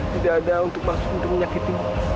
tidak ada maksud untuk menyakiti